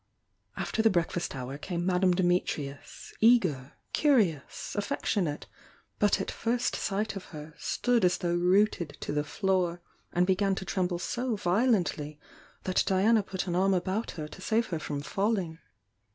After the breakfast hour came Madame Dimitrius, eager, curious, affectionate; — but at first sight of her, stood as though rooted to the floor, and began to tremble so violently that Diana put an arm about her to save her from falling.